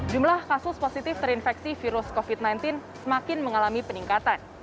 jumlah kasus positif terinfeksi virus covid sembilan belas semakin mengalami peningkatan